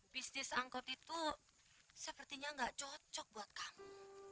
bisnis angkot itu sepertinya gak cocok buat kamu